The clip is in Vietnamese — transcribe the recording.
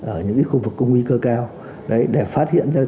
ở những cái khu vực công nguy cơ cao để phát hiện ra